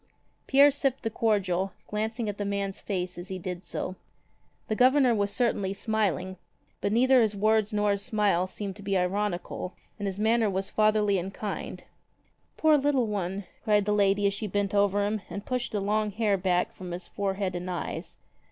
Pierre sipped the cordial, glancing at the man's face as he did so. The Governor was certainly smiling, but neither his words nor his smile seemed to be ironical, and his manner was fatherly and kind. "Poor little one!" cried the lady as she bent over him and pushed the long hair back from his forehead and eyes.